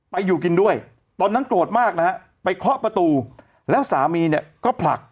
อยู่กินด้วยตอนนั้นโกรธมากนะฮะไปเคาะประตูแล้วสามีเนี่ยก็ผลัก